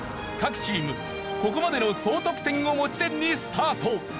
各チームここまでの総得点を持ち点にスタート。